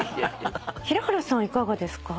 平原さんいかがですか？